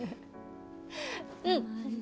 うん！